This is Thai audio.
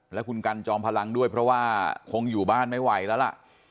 และคุณกันจอมพลังด้วยเพราะว่าคงอยู่บ้านไม่ไหวแล้วล่ะ